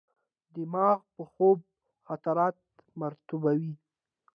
دماغ په خوب خاطرات مرتبوي.